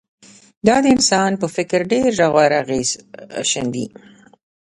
دا د انسان په فکر ډېر ژور اغېز ښندي